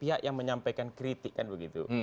pihak yang menyampaikan kritik kan begitu